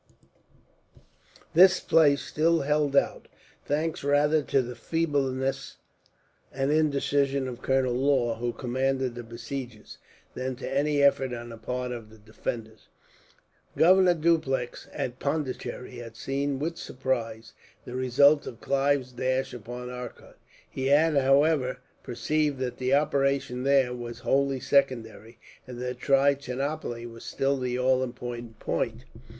This place still held out, thanks rather to the feebleness and indecision of Colonel Law, who commanded the besiegers, than to any effort on the part of the defenders. Governor Dupleix, at Pondicherry, had seen with surprise the result of Clive's dash upon Arcot. He had, however, perceived that the operations there were wholly secondary, and that Trichinopoli was still the all important point.